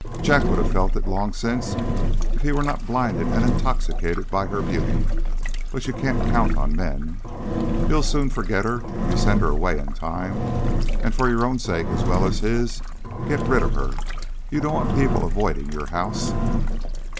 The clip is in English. Jack would have felt it long since if he were not blinded and intoxicated by her beauty; but you can't count on men. He'll soon forget her if you send her away in time, and for your own sake as well as his get rid of her. You don't want people avoiding your house!"